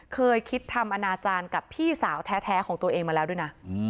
เคยคิดทำอนาจารย์กับพี่สาวแท้ของตัวเองมาแล้วด้วยนะ